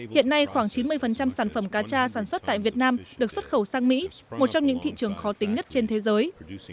hiện nay khoảng chín mươi sản phẩm cá cha sản xuất tại việt nam được xuất khẩu sang mỹ một trong những thị trường khó tính nhất trên thế giới